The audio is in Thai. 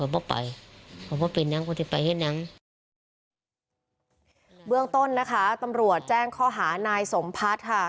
เบื้องต้นนะคะตำรวจแจ้งข้อหานายสมพัฒน์ค่ะ